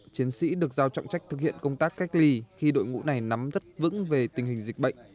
chiến sĩ được giao trọng trách thực hiện công tác cách ly khi đội ngũ này nắm rất vững về tình hình dịch bệnh